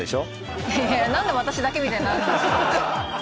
いやいやなんで私だけみたいになるんですか。